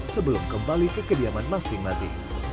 sebelum kembali ke kediaman masing masing